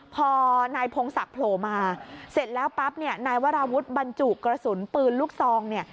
พอนายพงศักดิ์โผล่มาเสร็จแล้วปั๊บเนี่ยนายวราวุฒิบรรจุกระสุนปืนลูกซองเนี่ย